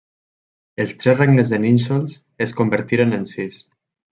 Els tres rengles de nínxols es convertiren en sis.